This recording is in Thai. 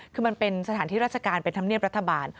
คือมันเป็นสถานที่ราชการเป็นธรรมเนียบรัฐบาล